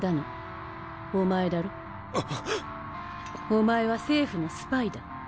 お前は政府のスパイだ。